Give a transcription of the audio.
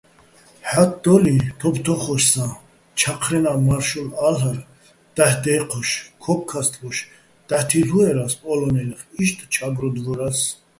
ჰ̦ა́თდოლიჼ თოფთო́ხოშსაჼ ჩაჴრენაჸ მა́რშოლალ'არ დაჰ̦ დე́ჴოშ, ქოკქასტბოშ დაჰ̦ თილ'უერა́ს პოლო́ნელეხ, იშტ "ჩა́გროდვორას".